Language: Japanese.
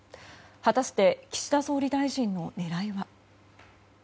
果たして岸田総理大臣の狙いは。